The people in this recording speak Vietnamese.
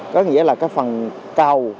có nghĩa là cái phần cầu